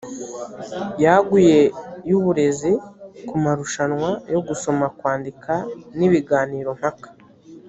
yaguye y uburezi ku marushanwa yo gusoma kwandika n ibiganiro mpaka